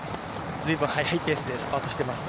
ずいぶん速いペースでスパートしました。